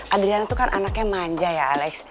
adriana itu kan anaknya manja ya alex